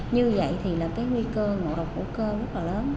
như vậy thì nguy cơ ngộ độc hữu cơ rất là lớn